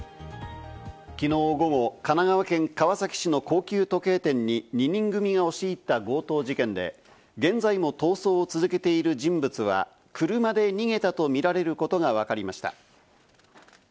きのう午後、神奈川県川崎市の高級時計店に２人組が押し入った強盗事件で、現在も逃走を続けている人物は車で逃げたとみられることがわかりました。